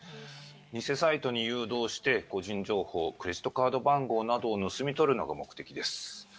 偽サイトに誘導して、個人情報、クレジットカード番号などを盗み取るのが目的です。